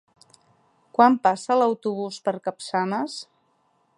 Quan passa l'autobús per Capçanes?